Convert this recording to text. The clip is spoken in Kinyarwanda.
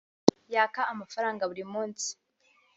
yaka amafaranga buri munsi